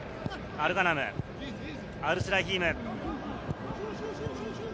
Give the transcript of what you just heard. アルガナム、アルスライヒーム。